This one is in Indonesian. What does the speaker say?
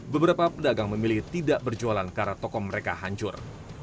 beberapa pedagang memilih tidak berjualan karena toko mereka hancur